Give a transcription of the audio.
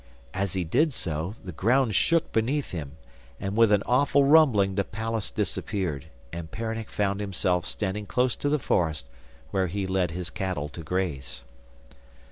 As he did so, the ground shook beneath him, and with an awful rumbling the palace disappeared, and Peronnik found himself standing close to the forest where he led the cattle to graze.